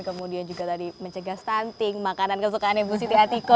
kemudian juga tadi mencegah stunting makanan kesukaannya bu siti atiko